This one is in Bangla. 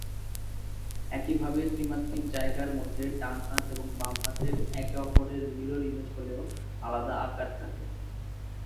একইভাবে ত্রি-মাত্রিক জায়গার মধ্যে ডান হাত এবং বাম হাতের একে অপরের মিরর ইমেজ হলেও আলাদা আকার থাকে।